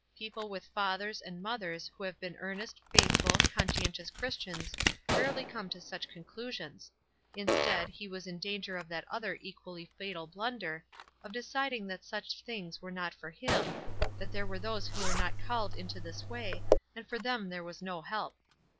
People with fathers and WISE AND OTHERWISE. 235 mothers who have been earnest, faithful, con ecientious Christians rarely come to such con clusions, — instead, he was in danger of that other equally fatal blunder, of deciding that such things were not for him, that there were those who were not called into this way, and for them there was no help.